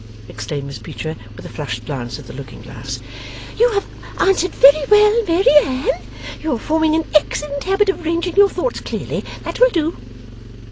exclaimed Miss Peecher, with a flushed glance at the looking glass. 'You have answered very well, Mary Anne. You are forming an excellent habit of arranging your thoughts clearly. That will do.